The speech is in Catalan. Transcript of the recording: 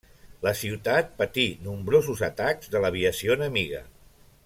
La ciutat patí nombrosos atacs de l'aviació enemiga.